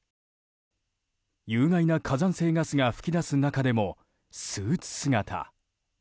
有害な火山性ガスが噴き出す中でもスーツ姿。